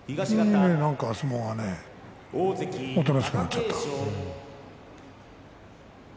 急に相撲がおとなしくなっちゃった。